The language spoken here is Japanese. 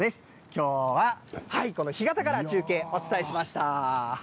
きょうはこの干潟から中継、お伝えしました。